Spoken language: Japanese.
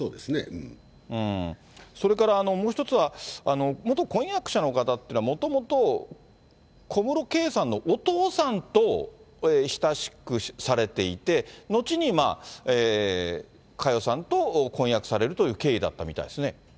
それからもう１つは、元婚約者の方っていうのは、もともと小室圭さんのお父さんと親しくされていて、後に佳代さんと婚約されるという経緯だったみたいですね。